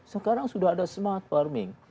sekarang sudah ada smart farming